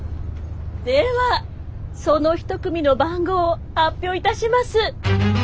ではその一組の番号を発表いたします。